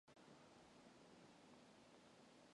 Тэр давхиж одоогүй байх тийм үү?